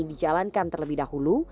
dijalankan terlebih dahulu